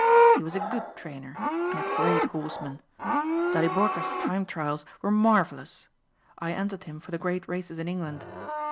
He was a good trainer and a great horseman. Daliborka's time trials were marvelous. I entered him for the great races in England.